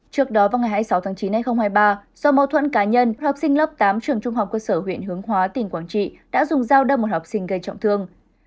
trước đó vào ngày hai mươi sáu tháng chín hai nghìn hai mươi ba do mâu thuẫn cá nhân học sinh lớp tám trường trung học cơ sở huyện hướng hóa tỉnh quảng trị đã dùng dao đâm một học sinh gây trọng thương